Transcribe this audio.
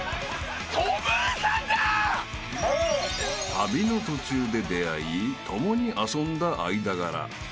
［旅の途中で出会い共に遊んだ間柄］